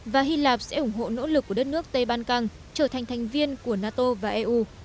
và hy lạp sẽ ủng hộ nỗ lực của đất nước tây ban căng trở thành thành viên của nato và eu